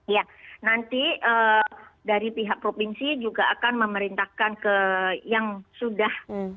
ya nanti dari pihak provinsi juga akan memerintahkan ke yang sudah